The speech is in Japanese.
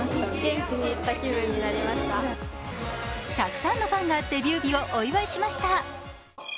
たくさんのファンがデビュー日をお祝いしました。